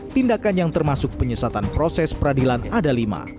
tindakan yang termasuk penyesatan proses peradilan ada lima